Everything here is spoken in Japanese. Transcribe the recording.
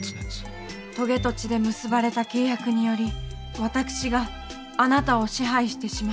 とげと血で結ばれた契約により私があなたを支配してしまう。